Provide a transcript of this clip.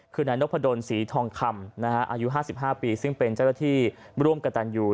คือนายนพดลศรีทองคำอายุ๕๕ปีซึ่งเป็นเจ้าหน้าที่ร่วมกับตันยู